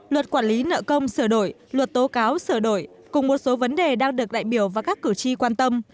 luật quản lý nợ công sửa đổi luật tố cáo sửa đổi cùng một số vấn đề đang được đại biểu và các cử tri quan tâm